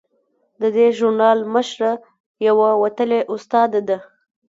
د دې ژورنال مشره یوه وتلې استاده ده.